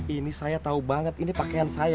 ini saya tahu banget ini pakaian saya